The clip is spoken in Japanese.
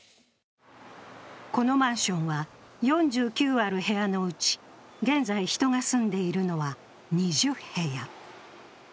このマンションは４９ある部屋のうち、現在人が住んでいるのは２０部屋。